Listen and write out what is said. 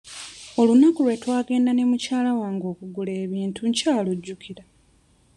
Olunaku lwe twagenda ne mukyala wange okugula ebintu nkyalujjukira.